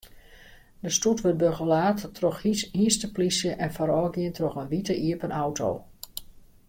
De stoet wurdt begelaat troch hynsteplysje en foarôfgien troch in wite iepen auto.